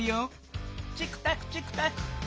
チクタクチクタク。